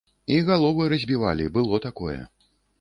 І галовы разбівалі, было такое.